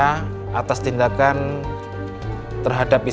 kepolisian saat ini sudah memberi peringatan keras terhadap mereka